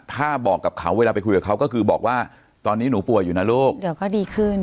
ถ้าบอกกับเขาเวลาไปคุยกับเขาก็คือบอกว่าตอนนี้หนูป่วยอยู่นะลูกเดี๋ยวก็ดีขึ้น